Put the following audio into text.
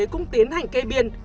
cũng tiến hành kê biên